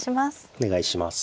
お願いします。